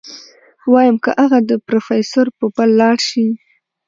ويم که اغه د پروفيسر په پل لاړ شي.